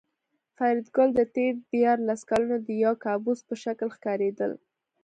فریدګل ته تېر دیارلس کلونه د یو کابوس په شکل ښکارېدل